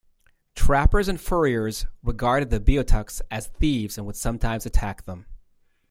Trappers and furriers regarded the Beothuks as thieves and would sometimes attack them.